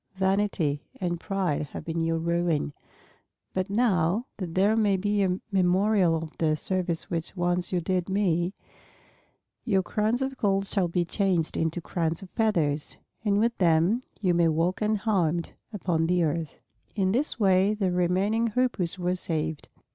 Vanity and pride have been your ruin. But now, that there may be a memorial of the service which once you did me, your crowns of gold shall be changed into crowns of feathers, and with them you may walk unharmed upon the earth." In this way the remaining Hoopoes were saved.